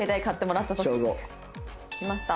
来ました。